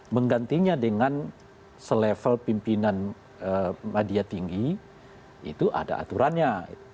menggantinya dengan selevel pimpinan media tinggi itu ada aturannya